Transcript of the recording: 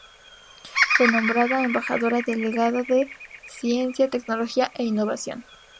Fue nombrada Embajadora Delegada de Ciencia, Tecnología e Innovación.